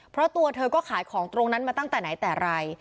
เพราะตัวเธอก็ขายของตรงนั้นมาตั้งแต่ไหนแต่ไร